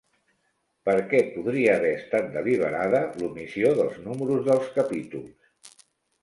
Per què podria haver estat deliberada l'omissió dels números dels capítols?